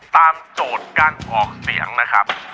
โจทย์การออกเสียงนะครับ